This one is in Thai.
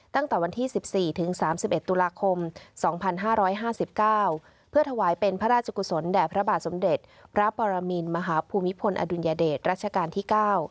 ตั้งแต่วันที่๑๔ถึง๓๑ตุลาคม๒๕๕๙เพื่อถวายเป็นพระราชกุศลแด่พระบาทสมเด็จพระปรมินมหาภูมิพลอดุลยเดชรัชกาลที่๙